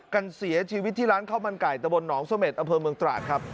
กันเสียชีวิตที่ร้านข้าวมันไก่ตะบลหนองสเมษอเภิลเมืองตราด